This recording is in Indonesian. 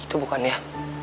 itu bukan ya